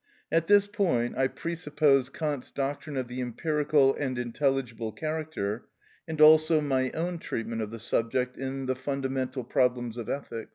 At this point I presuppose Kant's doctrine of the empirical and intelligible character, and also my own treatment of the subject in "The Fundamental Problems of Ethics," pp.